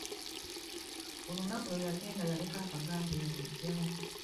Olunaku lwe yagenda yaleka abagambye babiggyewo.